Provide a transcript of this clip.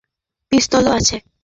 তো, আমাদের কাছে পিস্তলও আছে।